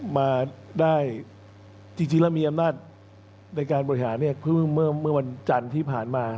มาได้จริงแล้วมีอำนาจในการบริหารเนี่ยเพิ่งเมื่อวันจันทร์ที่ผ่านมา